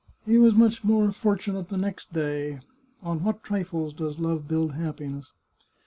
He was much more fortunate the next day (on what trifles does love build happiness